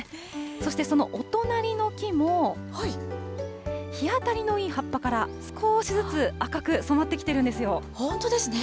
そしてそのお隣の木も、日当たりのいい葉っぱから少しずつ赤く染まってきているんですよ。